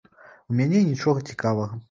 У мяне нічога цікавага.